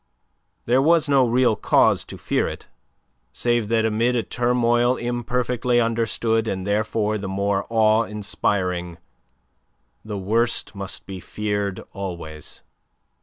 There was no real cause to fear it, save that amid a turmoil imperfectly understood and therefore the more awe inspiring, the worst must be feared always.